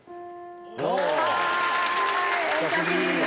お久しぶりです。